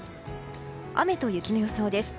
雨と雪の予想です。